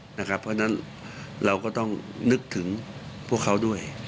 เพราะฉะนั้นเราก็ต้องนึกถึงพวกเขาด้วย